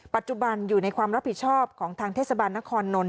ปัจจุบันอยู่ในความรับผิดชอบของทางเทศบาลนครนนท